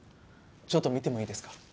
ちょっと見てもいいですか？